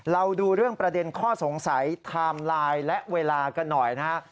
เราดูเรื่องประเด็นข้อสงสัยไทม์ไลน์และเวลากันหน่อยนะฮะ